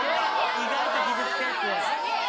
意外と傷つくやつ。